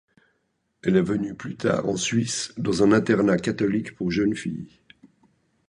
Elle est venue plus tard en Suisse, dans un internat catholique pour jeunes filles.